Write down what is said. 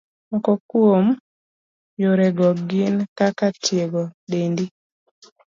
Moko kuom yorego gin kaka, tiego dendi.